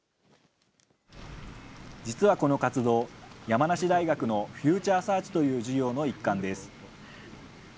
実はこの活動、山梨大学のフューチャーサーチという授業の一環です。